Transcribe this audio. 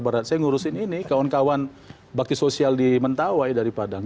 saya ngurusin ini kawan kawan bakti sosial di mentawai dari padang